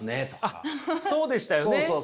あっそうでしたよね。